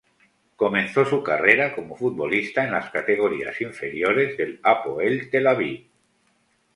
Comenzó su carrera como futbolista en las categorías inferiores del Hapoel Tel Aviv.